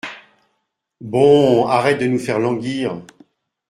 Bon, arrête de nous faire languir !